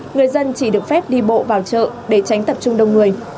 người dân chỉ được phép đi bộ vào chợ để tránh tập trung đông người